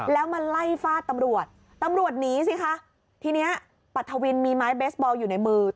แล้วมาไล่ฟาดตำรวจตำรวจหนีสิคะทีเนี้ยปัทวินมีไม้เบสบอลอยู่ในมือ